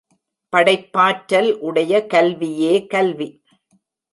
படைப்பாற்றல் உடைய கல்வியே கல்வி.